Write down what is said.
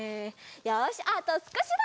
よしあとすこしだ！